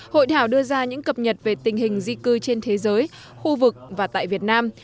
hội thảo đưa ra những cập nhật về tình hình di cư trên thế giới khu vực và tại việt nam